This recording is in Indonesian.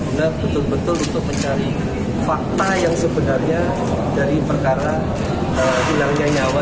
untuk mencari fakta yang sebenarnya dari perkara hilangnya nyawa